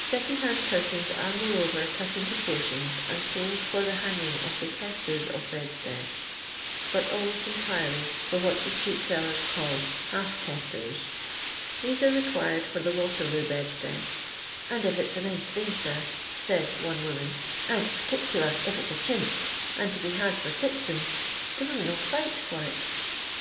ISecond hand curtains are moreover cut into por tions and sold for the hanging of the testers of bedsteads, but almost entirely for what the street sellers call " half teesters.' These are required for the Waterloo bedsteads, "and if it's a nice thing, sir," said one woman, "and perticler if it's a chintz, and to be had for 6c/., the women '11 fight for it."